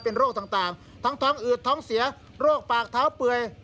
เป็นโรคต่างทั้งท้องอืดท้องเสียโรคปากเท้าเปื่อย